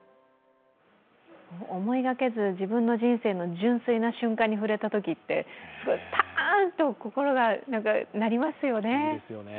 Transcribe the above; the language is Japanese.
思いがけず、自分の人生の純粋な瞬間に触れたときってすごい、パーンと心がなりますよね。